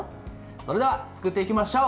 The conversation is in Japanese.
それでは作っていきましょう。